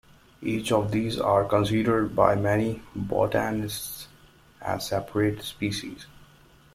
Each of these are considered by many botanists as separate species.